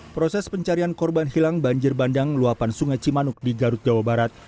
proses pencarian korban hilang banjir bandang luapan sungai cimanuk di garut jawa barat